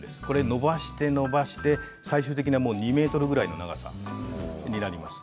のばして、のばして最終的には２ｍぐらいの長さになります。